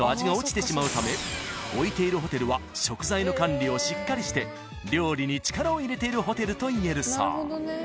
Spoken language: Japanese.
［置いているホテルは食材の管理をしっかりして料理に力を入れているホテルといえるそう］